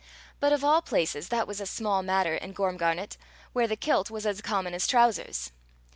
But, of all places, that was a small matter in Gormgarnet, where the kilt was as common as trowsers.